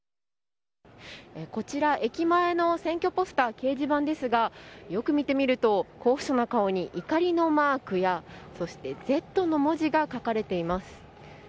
こちら、駅前の選挙ポスター掲示板ですがよく見てみると、候補者の顔に怒りのマークや「Ｚ」の文字が書かれています。